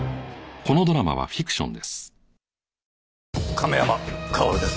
亀山薫です。